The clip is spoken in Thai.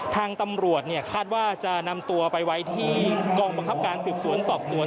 ทางตำรวจคาดว่าจะนำตัวไปไว้ที่กองบังคับการสืบสวนสอบสวน